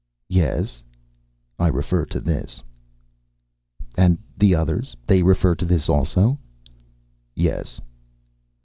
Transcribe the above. "Yes?" "I refer to this." "And the others? They refer to this also?" "Yes."